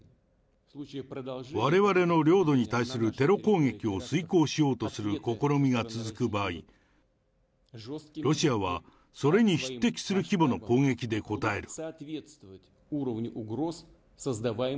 われわれの領土に対するテロ攻撃を遂行しようとする試みが続く場合、ロシアはそれに匹敵する規模の攻撃で応える。